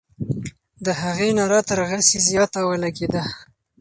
د هغې ناره تر غسي زیاته ولګېده.